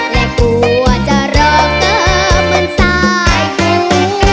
และกลัวจะรอก็เหมือนทรายกลัว